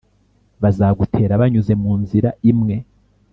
bazagutera banyuze mu nzira imwe,